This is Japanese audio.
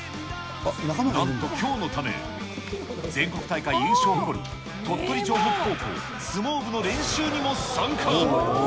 なんときょうのため、全国大会優勝を誇る、鳥取城北高校相撲部の練習にも参加。